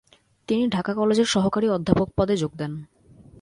তিনি ঢাকা কলেজের সহকারী অধ্যাপক পদে যোগ দেন।